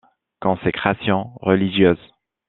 Consécration religieuse.